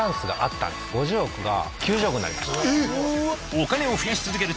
お金を増やし続ける